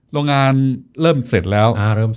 โรงงานเริ่มเสร็จแล้ว